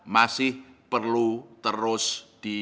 masih perlu terus di